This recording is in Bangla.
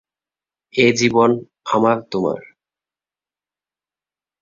এ জীবন আমার তোমার।